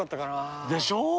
でしょー？